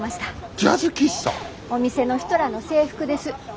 お店の人らの制服です。